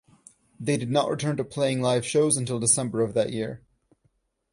They did not return to playing live shows until December of that year.